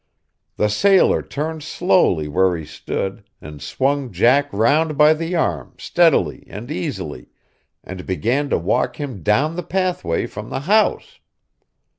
The sailor turned slowly where he stood, and swung Jack round by the arm steadily and easily, and began to walk him down the pathway from the house.